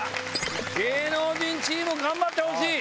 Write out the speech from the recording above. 芸能人チーム頑張ってほしい！